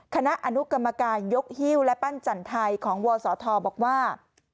คณะอนุกรรมการยกฮิ้วและปั้นจันไทยของวศธบอกว่า